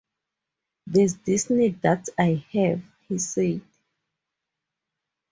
"There's this need that I have", he said.